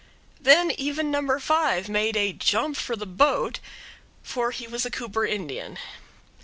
Then even No. 5 made a jump for the boat for he was a Cooper Indian.